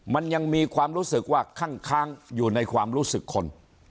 มันยังมีความรู้สึกว่าคั่งค้างอยู่ในความรู้สึกคน